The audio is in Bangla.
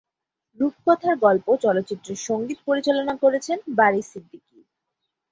রূপকথার গল্প চলচ্চিত্রের সঙ্গীত পরিচালনা করেছেন বারী সিদ্দিকী।